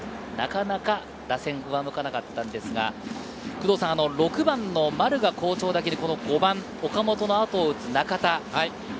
なかなか打線が上向かなかったんですが６番の丸が好調だけに、５番・岡本のあとを打つ中田。